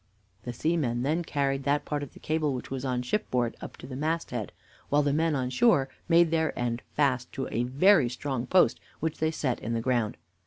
"The seamen then carried that part of the cable which was on shipboard up to the masthead, while the men on shore made their end fast to a very strong post which they set in the ground.